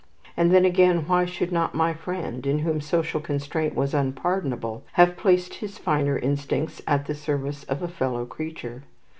And then, again, why should not my friend, in whom social constraint was unpardonable, have placed his finer instincts at the service of a fellow creature?